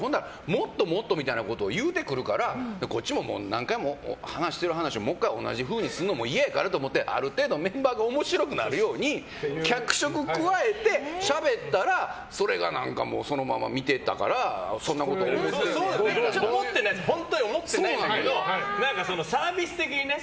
もっともっとみたいなことを言うてくるからこっちも何回もしてる話をもう１回、同じふうにするのも嫌やからと思ってある程度、メンバーが面白くなるように脚色加えてしゃべったら本当に思ってないんだけどサービス的にね。